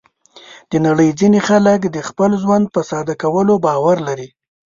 د نړۍ ځینې خلک د خپل ژوند په ساده کولو باور لري.